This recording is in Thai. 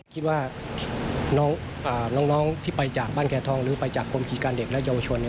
คิดว่าน้องที่ไปจากบ้านแก่ทองหรือไปจากกรมกิจการเด็กและเยาวชน